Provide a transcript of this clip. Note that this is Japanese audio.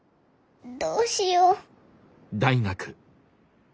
どうしよう。